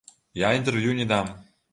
Я інтэрв'ю не дам.